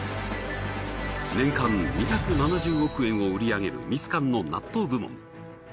年間２７０億円を売り上げるミツカンの納豆部門。